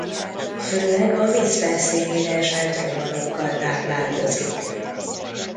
Főleg a víz felszínére esett rovarokkal táplálkozik.